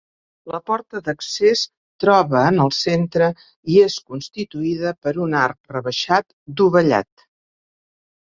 La porta d'accés troba en el centre, i és constituïda per un arc rebaixat dovellat.